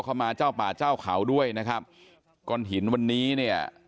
มาเจ้าป่าเจ้าเขาด้วยนะครับก้อนหินวันนี้เนี่ย